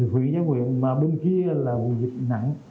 huyện giáo nguyện mà bên kia là vụ dịch nặng